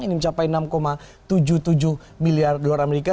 ini mencapai enam tujuh puluh tujuh miliar dolar amerika